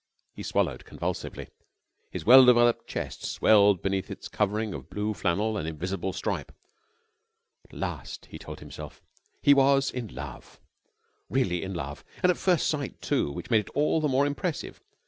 He swallowed convulsively. His well developed chest swelled beneath its covering of blue flannel and invisible stripe. At last, he told himself, he was in love, really in love, and at first sight, too, which made it all the more impressive.